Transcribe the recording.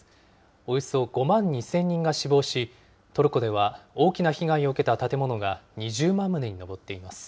およそ５万２０００人が死亡し、トルコでは大きな被害を受けた建物が２０万棟に上っています。